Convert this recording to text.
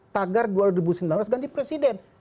tagar dua ribu sembilan belas ganti presiden